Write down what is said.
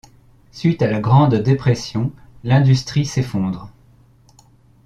Suite à la Grande Dépression, l’industrie s’effondre.